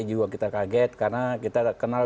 juga kita kaget karena kita kenal